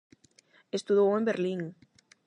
Estudou en Berlín.